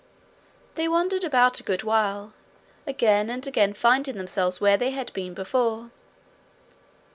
They wandered about a good while, again and again finding themselves where they had been before.